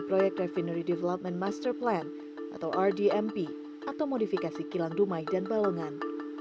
proyek refinery development master plan atau rdmp atau modifikasi kilang dumai dan balongan